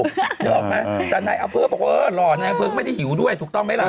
นึกออกไหมแต่นายอำเภอบอกเออหล่อนายอำเภอก็ไม่ได้หิวด้วยถูกต้องไหมล่ะ